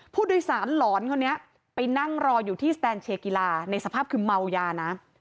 ผู้โดยสารหลอนคนนี้ไปนั่งรออยู่ที่สแตนเชียร์กีฬาในสภาพคือเมายานะ